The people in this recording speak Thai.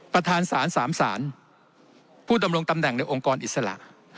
ประธานศาลสามสารผู้ดำรงตำแหน่งในองค์กรอิสระ